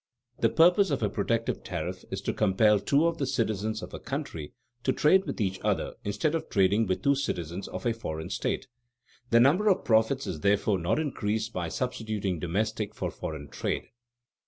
The purpose of a protective tariff is to compel two of the citizens of a country to trade with each other instead of trading with two citizens of a foreign state; the number of profits is therefore not increased by substituting domestic for foreign trade.